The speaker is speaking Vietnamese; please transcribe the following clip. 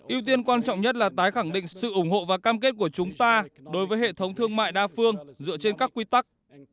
yêu tiên quan trọng nhất là tái khẳng định sự ủng hộ và cam kết của chúng ta đối với hệ thống thương mại đa phương dựa trên các quy tắc